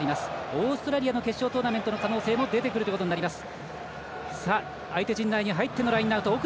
オーストラリアの決勝トーナメントの可能性も出てくるということになります。